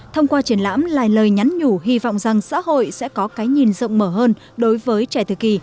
thông qua triển lãm là lời nhắn nhủ hy vọng rằng xã hội sẽ có cái nhìn rộng mở hơn đối với trẻ thời kỳ